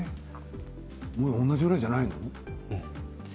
同じぐらいじゃないの？